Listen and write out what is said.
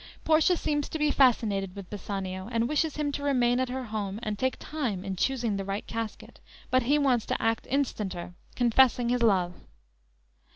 Portia seems to be fascinated with Bassanio, and wishes him to remain at her home and take time in choosing the right casket, but he wants to act instanter, confessing his love.